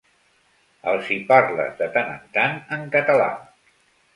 Els hi parles d'en tant en tant en català.